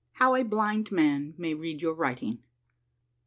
— HOW A BLIND MAN MAY READ YOUR WRITING.